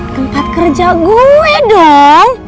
tempat kerja gue dong